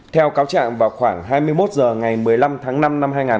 theo cáo trạng vào khoảng hai mươi một h ngày một mươi năm tháng năm năm hai nghìn hai mươi ba